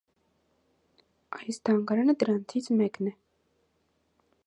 Այս թանգարանը դրանցից մեկն է։